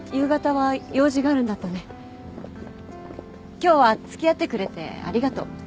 今日は付き合ってくれてありがと。